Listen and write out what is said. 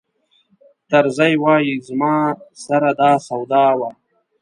طرزي وایي زما سره دا سودا وه.